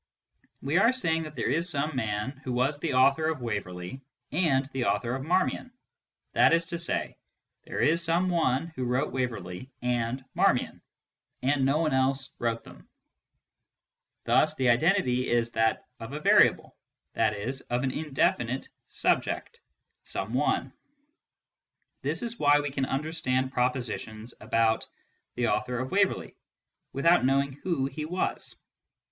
We are saying that there is some man who was the author of Waverley and the author of Marmion. That is to say, there is some one who wrote Waverley and Marmion, and no one else wrote them. Thus the identity is that of a variable, i.e. of an indefinite subject, " some one." This is why we can understand propositions about " the author of Waverley," without knowing who he was.